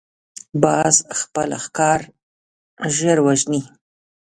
باز خپل ښکار ژر وژني